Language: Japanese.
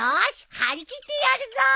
張り切ってやるぞ！